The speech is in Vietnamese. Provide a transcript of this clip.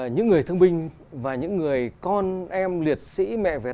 những người thương binh và những người con em liệt sĩ mẹ việt nam